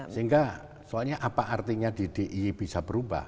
sehingga soalnya apa artinya di di bisa berubah